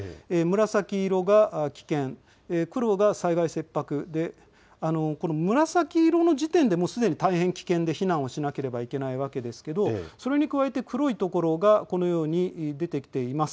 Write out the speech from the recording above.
紫色が危険、黒が災害切迫でこの紫色の時点ですでに大変危険で避難をしなければいけないわけですが、それに加えて黒いところがこのように出てきています。